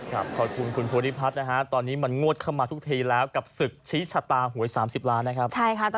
ขอบคุณคุณภูริพัฒน์นะฮะตอนนี้มันงวดเข้ามาทุกทีแล้วกับศึกชี้ชะตาหวย๓๐ล้านนะครับ